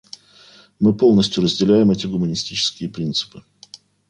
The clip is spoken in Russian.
Мы полностью разделяем эти гуманистические принципы.